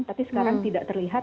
tapi sekarang tidak terlihat